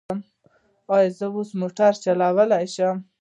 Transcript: ایا زه اوس موټر چلولی شم؟